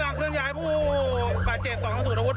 จากซอยจ่าโสดซอยเก้าอ่าไปโรงพยาบาลสำรวงการแพทย์